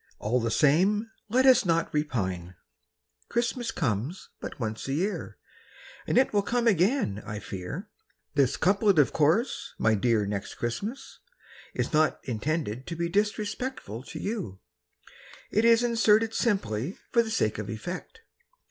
All the same, Let us not repine: Christmas comes but once a year, And it will come again, I fear. This couplet, of course. My dear Next Christmas, Is not intended to be Disrespectful to you; It is inserted simply For the sake of effect.